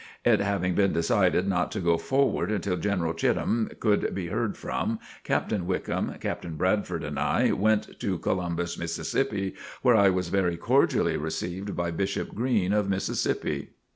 It having been decided not to go forward until General Cheatham could be heard from, Captain Wickham, Captain Bradford and I went on to Columbus, Mississippi, where I was very cordially received by Bishop Green of Mississippi.